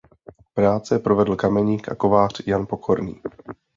Práce provedl kameník a kovář Jan Pokorný.